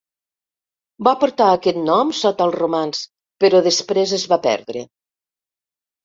Va portar aquest nom sota els romans, però després es va perdre.